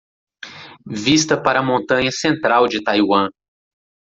Vista para a montanha central de Taiwan